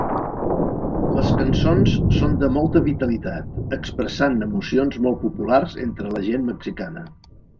Les cançons són de molta vitalitat, expressant emocions molt populars entre la gent mexicana.